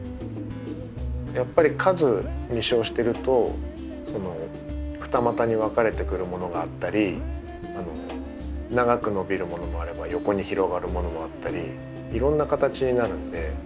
やっぱり数実生してると二股に分かれてくるものがあったり長く伸びるものもあれば横に広がるものもあったりいろんな形になるんで。